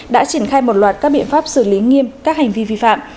đã triển khai một loạt các biện pháp xử lý nghiêm các hành vi vi phạm